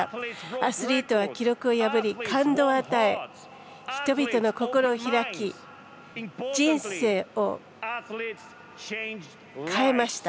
アスリートは記録を破り感動を与え、人々の心を開き人生を変えました。